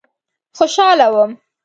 خوشاله وم.